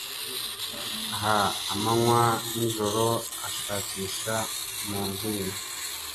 Ah Amanywa nijoro ashakisha mu nzu ye